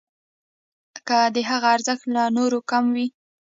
که د هغه ارزښت له نورو کم وي.